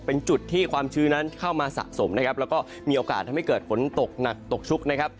เป็นจุดที่ความชื้นนั้นเข้ามาสะสมนะครับแล้วก็มีโอกาสทำให้เกิดฝนตกหนักตกชุกนะครับ